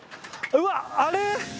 うわあれ